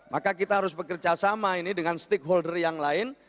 maka kita harus bekerja sama ini dengan stakeholder yang lain